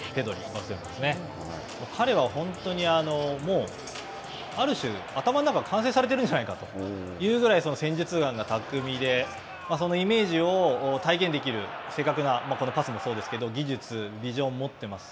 彼は本当にもうある種、頭の中、完成されてるんじゃないかというぐらい、戦術眼が巧みで、そのイメージを体現できる、正確な、このパスもそうですけど、技術、ビジョンを持っています。